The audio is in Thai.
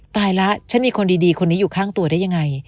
ตายแล้วฉันมีคนดีคนนี้อยู่ข้างตัวได้ยังไง